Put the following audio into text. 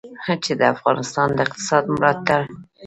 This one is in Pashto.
چې د افغانستان د اقتصاد ملا تېر.